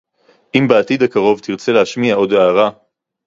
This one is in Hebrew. אם בעתיד הקרוב תרצה להשמיע עוד הערה